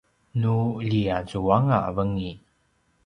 nu ljiazuanga vengin